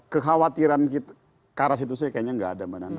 kekhawatiran karas itu saya kayaknya tidak ada